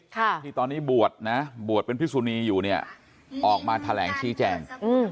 ที่ตอนนี้บวชนะบวชเป็นพิสุนีอยู่เนี่ยออกมาแถลงชี้แจงอืม